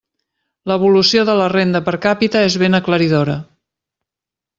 L'evolució de la renda per càpita és ben aclaridora.